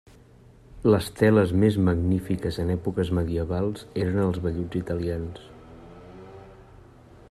Les teles més magnífiques en èpoques medievals eren els velluts italians.